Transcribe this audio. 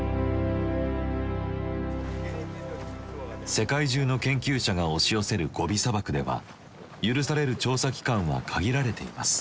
世界中の研究者が押し寄せるゴビ砂漠では許される調査期間は限られています。